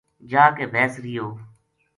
جا کے بیس رہیو